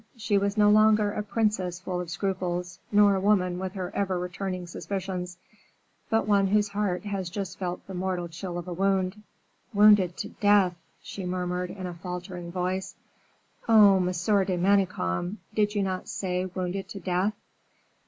She was no longer a princess full of scruples, nor a woman with her ever returning suspicions, but one whose heart has just felt the mortal chill of a wound. "Wounded to death!" she murmured, in a faltering voice, "oh, Monsieur de Manicamp! did you not say, wounded to death?"